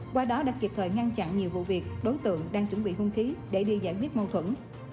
qua đó đã kịp thời ngăn chặn nhiều vụ việc đối tượng đang chuẩn bị hung khí để đi giải quyết mâu thuẫn